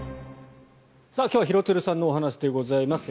今日は廣津留さんのお話でございます。